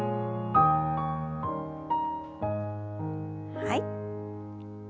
はい。